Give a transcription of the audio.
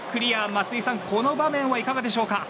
松井さん、この場面はいかがでしょうか？